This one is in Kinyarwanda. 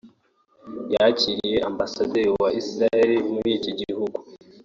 yakiriye Ambasaderi wa Israel muri iki gihugu